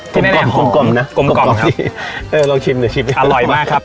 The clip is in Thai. ที่แน่นอนกลมกล่อมนะกลมกล่อมสิเออลองชิมเดี๋ยวชิมอร่อยมากครับ